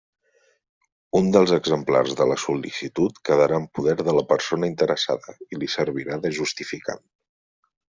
Un dels exemplars de la sol·licitud quedarà en poder de la persona interessada i li servirà de justificant.